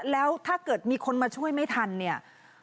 แล้วถ้าเกิดมีคนมาช่วยไม่ทันเนี่ย